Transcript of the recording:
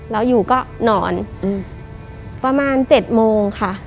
แล้วอยู่ก็นอนประมาณ๗โมงค่ะ